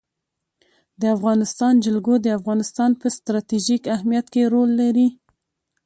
د افغانستان جلکو د افغانستان په ستراتیژیک اهمیت کې رول لري.